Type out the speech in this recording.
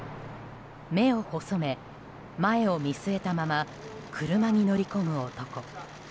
目を細め、前を見据えたまま車に乗り込む男。